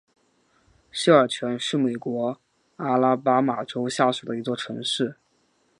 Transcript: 西尔泉是美国阿拉巴马州下属的一座城市。